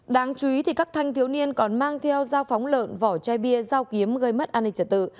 đáng chú ý các thanh thiếu niên còn mang theo dao phóng lợn vỏ chai bia dao kiếm gây mất an ninh trật tự